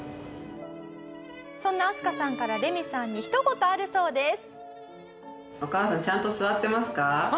そんな明日香さんからレミさんにひと言あるそうです。